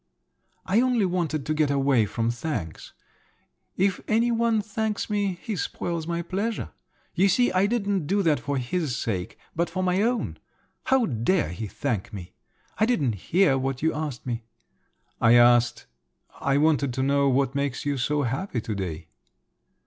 "I only wanted to get away from thanks. If any one thanks me, he spoils my pleasure. You see I didn't do that for his sake, but for my own. How dare he thank me? I didn't hear what you asked me." "I asked … I wanted to know what makes you so happy to day."